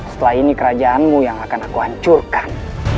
setelah ini kerajaanmu yang akan aku hancurkan